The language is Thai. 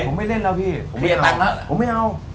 ผมไม่เล่นแล้วพี่ผมไม่เอา